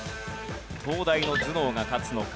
東大の頭脳が勝つのか？